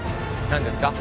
何ですか？